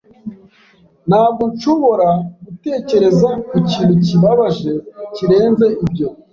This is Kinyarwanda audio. Ntabwo nshobora gutekereza ku kintu kibabaje kirenze ibyo.